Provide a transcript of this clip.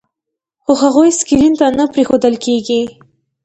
خو هغوی سکرین ته نه پرېښودل کېږي.